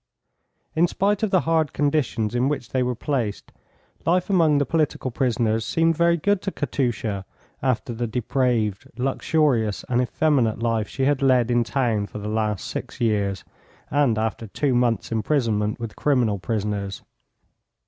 In spite of the hard conditions in which they were placed, life among the political prisoners seemed very good to Katusha after the depraved, luxurious and effeminate life she had led in town for the last six years, and after two months' imprisonment with criminal prisoners.